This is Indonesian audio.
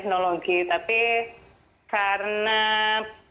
dan yang yang tadi saya biarkan file nya secara standar upadhosa